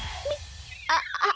あっああ。